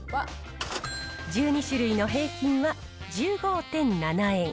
１２種類の平均は１５．７円。